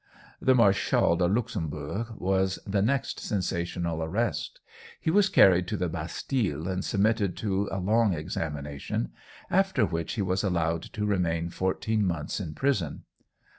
The Marshal de Luxemburg was the next sensational arrest. He was carried to the Bastille and submitted to a long examination, after which he was allowed to remain fourteen months in prison.